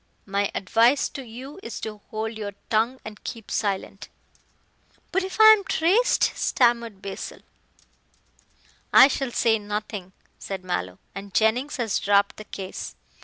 "My advice to you is to hold your tongue and keep silent." "But if I am traced?" stammered Basil. "I shall say nothing," said Mallow, "and Jennings has dropped the case.